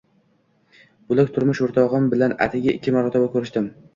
Bo`lajak turmush o`rtog`im bilan atigi ikki marotaba ko`rishdim